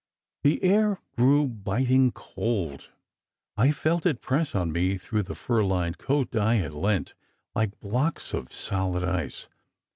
The air grew biting cold. I felt it press on me through the fur lined coat Di had lent, like blocks of solid ice.